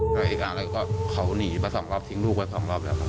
แล้วก็เขาหนีไปสองรอบทิ้งลูกไว้สองรอบแล้วครับ